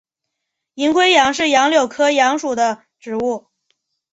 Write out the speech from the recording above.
银灰杨是杨柳科杨属的植物。